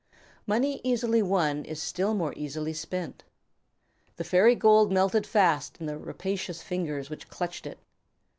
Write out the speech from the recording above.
Money easily won is still more easily spent. The fairy gold melted fast in the rapacious fingers which clutched it.